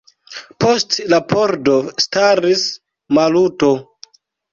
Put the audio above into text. Post la pordo staris Maluto.